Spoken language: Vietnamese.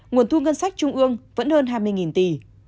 nguồn thu ngân sách trung ương vẫn hơn hai mươi tỷ